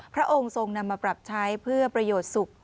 พระองค์ทรงนำมาปรับใช้เพื่อประโยชน์สุข